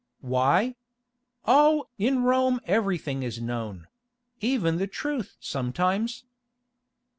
"Why? Oh! in Rome everything is known—even the truth sometimes."